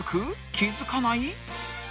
気付かない？］